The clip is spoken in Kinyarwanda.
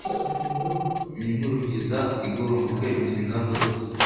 Nk inkurikizi igomba kwemeza ingamba zose